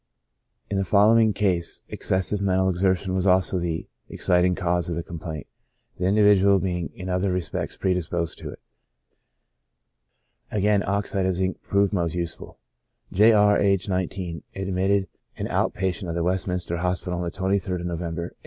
• In the following case excessive mental exertion was also the exciting cause of the complaint, the individual being in other respects predisposed to it. Again oxide of zinc proved most useful. J. R —, aged 19, admitted an out patient of the Westminster Hospital on the 23d Novem ber, 1855.